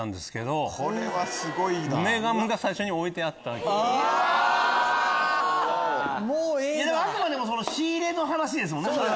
でもあくまでも仕入れの話ですもんね。